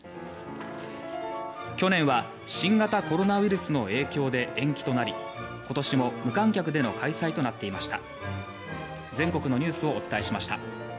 去年は新型コロナウイルスの影響で延期となり今年も無観客での開催となっていました。